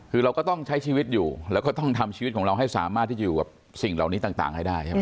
คือเราก็ต้องใช้ชีวิตอยู่แล้วก็ต้องทำชีวิตของเราให้สามารถที่จะอยู่กับสิ่งเหล่านี้ต่างให้ได้ใช่ไหม